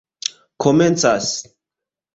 komencas